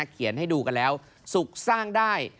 ให้ดูกันแล้วสุขสร้างได้